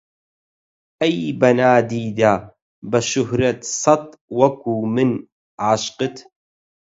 ئەی بە نادیدە، بە شوهرەت سەد وەکوو من عاشقت